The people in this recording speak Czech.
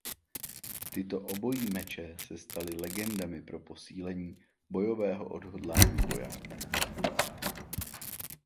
Tyto obojí meče se staly legendami pro posílení bojového odhodlání vojáků.